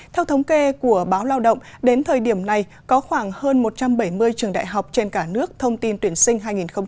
theo thống kê của báo lao động đến thời điểm này có khoảng hơn một trăm bảy mươi trường đại học trên cả nước thông tin tuyển sinh hai nghìn hai mươi